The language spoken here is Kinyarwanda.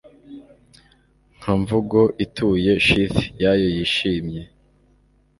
Nka Mvugo ituye sheath yayo yishimye